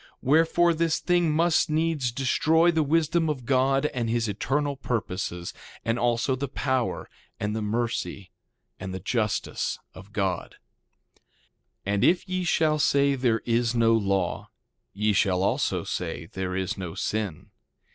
Wherefore, this thing must needs destroy the wisdom of God and his eternal purposes, and also the power, and the mercy, and the justice of God. 2:13 And if ye shall say there is no law, ye shall also say there is no sin.